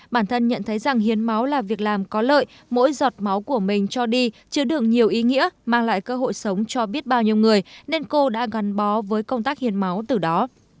bản thân nhận thấy rằng hiến máu là việc làm có lợi mỗi giọt máu của mình cho đi chứa đường nhiều ý nghĩa mang lại cơ hội sống cho biết bao nhiêu người nên cô đã gắn bó với công tác hiến máu từ đó